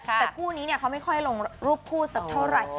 แต่คู่นี้เขาไม่ค่อยลงรูปคู่สักเท่าไหร่